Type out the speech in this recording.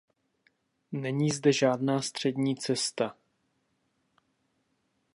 Není zde žádná střední cesta.